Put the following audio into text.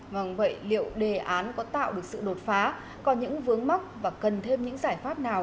vâng vậy liệu đề án có tạo được sự đột phá còn những vướng mắc và cần thêm những giải pháp nào